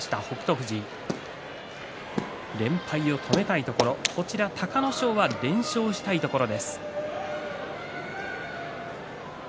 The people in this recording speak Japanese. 富士２連敗を止めたいところ隆の勝が連勝したいところ。